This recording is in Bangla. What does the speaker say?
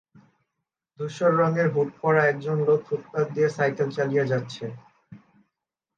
ধূসর রঙের হুড পরা একজন লোক ফুটপাত দিয়ে সাইকেল চালিয়ে যাচ্ছে।